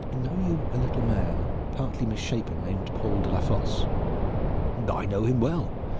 "Know you a little man, partly misshapen, named Paul de la Fosse?" "I know him well.